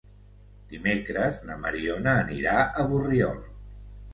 Dimecres na Mariona anirà a Borriol.